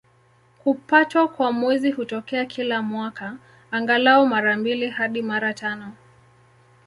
Kupatwa kwa Mwezi hutokea kila mwaka, angalau mara mbili hadi mara tano.